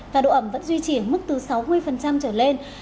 và độ ẩm vẫn duy trì ở mức từ sáu mươi trở lên